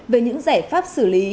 về những giải pháp xử lý